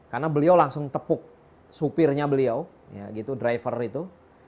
karena beliau langsung tepuk supirnya beliau driver itu